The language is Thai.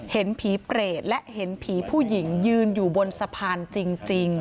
เห็นผีเปรตและเห็นผีผู้หญิงยืนอยู่บนสะพานจริง